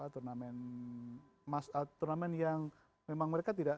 turnamen turnamen yang memang mereka tidak